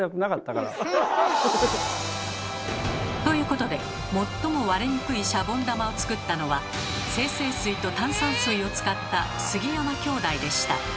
ということで最も割れにくいシャボン玉を作ったのは精製水と炭酸水を使った杉山兄弟でした。